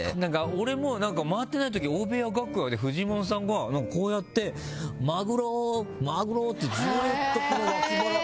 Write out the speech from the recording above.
俺も回ってない時大部屋楽屋でフジモンさんがこうやってマグロマグロってずっとわき腹を。